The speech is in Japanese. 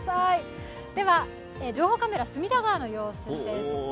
情報カメラ、隅田川の様子です。